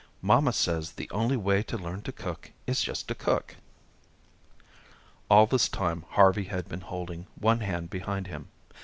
Mamma says the only way to learn to cook is just to cook." All this time, Harvey had been holding one hand behind him.